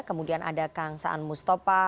kemudian ada kang saan mustopha